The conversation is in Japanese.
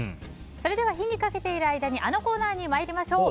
それでは火にかけている間にあのコーナーに参りましょう。